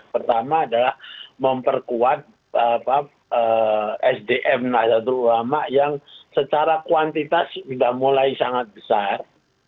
pertama adalah memperkuat sdm nahdlatul ulama yang secara kuantitas sudah mulai sangat besar